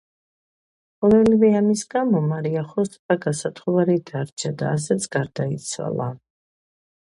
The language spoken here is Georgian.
ყოველივე ამის გამო, მარია ხოსეფა გასათხოვარი დარჩა და ასეც გარდაიცვალა.